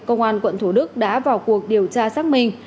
công an quận thủ đức đã vào cuộc điều tra xác minh